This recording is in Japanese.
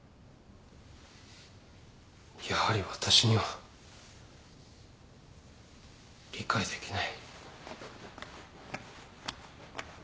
やはり私には理解できない。